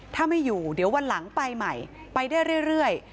ถ้าไม่อยู่เดี๋ยววันหลังไปใหม่ไปได้เรื่อย